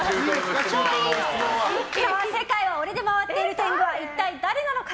世界は俺で回っている天狗は一体誰なのか。